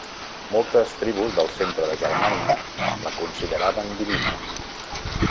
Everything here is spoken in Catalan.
Moltes tribus del centre de Germània la consideraven divina.